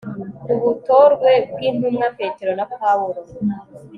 ku butorwe bw'intumwa petero na paulo